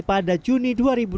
pada juni dua ribu dua puluh